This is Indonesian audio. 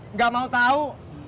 nggak mau tahu